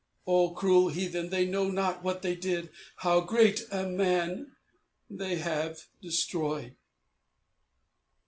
O cruel heathen, they know not what they did! How great a man they have destroyed!"